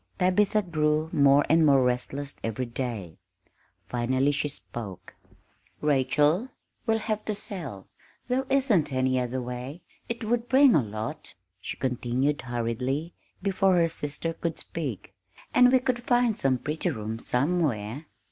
Tabitha grew more and more restless every day. Finally she spoke. "Rachel, we'll have to sell there isn't any other way. It would bring a lot," she continued hurriedly, before her sister could speak, "and we could find some pretty rooms somewhere.